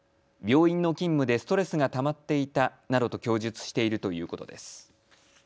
病院の勤務でストレスがたまっていたなどと供述しているということです。